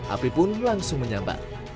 api pun langsung menyambar